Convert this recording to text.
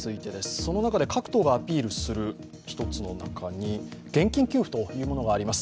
その中で各党がアピールする一つの中に現金給付というものがあります。